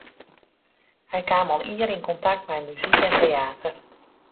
Hy kaam al ier yn kontakt mei muzyk en teäter.